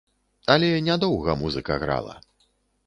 Але не доўга музыка грала.